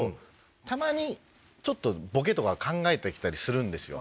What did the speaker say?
たまにボケとか考えて来たりするんですよ。